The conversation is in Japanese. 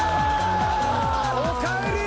おかえりー！